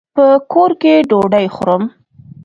په کور کي ډوډۍ خورم.